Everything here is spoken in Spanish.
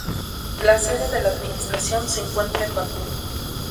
La sede de la Administración se encuentra en Bakú.